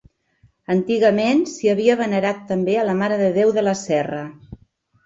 Antigament s'hi havia venerat també a la Mare de Déu de la Serra.